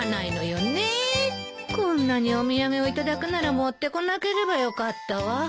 こんなにお土産を頂くなら持ってこなければよかったわ。